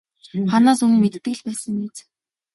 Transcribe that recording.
Хаанаас өмнө мэддэг л байсан биз.